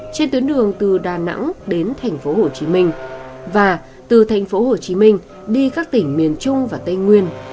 trên tuyến đường từ đà nẵng đến tp hcm và từ tp hcm đi các tỉnh miền trung và tây nguyên